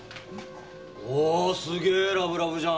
おすげえラブラブじゃん。